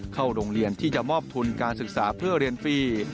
เข้าโรงเรียนที่จะมอบทุนการศึกษาเพื่อเรียนฟรี